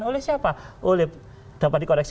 oleh siapa dapat dikoreksi